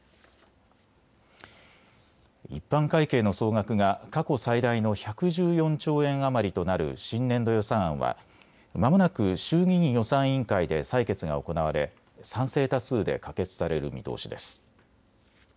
一般会計の総額が過去最大の１１４兆円余りとなる新年度予算案はまもなく衆議院予算委員会で採決が行われ賛成多数で可決される見通しです。